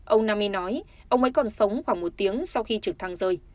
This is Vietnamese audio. ông nami nói ông ấy còn sống khoảng một tiếng sau khi trực thăng rơi